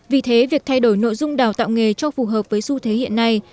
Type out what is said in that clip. vì thế việc thay đổi nội dung đào tạo nghề cho phù hợp với xu thế hiện nay